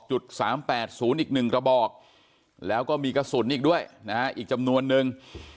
๓๘๐อีก๑กระบอกแล้วก็มีกระสุนอีกด้วยนะฮะอีกจำนวนนึง